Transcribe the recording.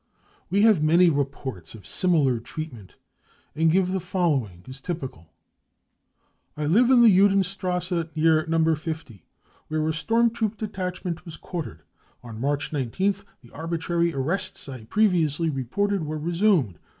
We have many reports of similar treatment, and give the following as typical :" I lived in the Judenstrasse, near number 50, where a storm troop detachment was quartered. On March 19th the arbitrary arrests I previously reported were resumed.